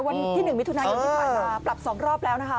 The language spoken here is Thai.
วันที่๑มิถุนายนที่ผ่านมาปรับ๒รอบแล้วนะคะ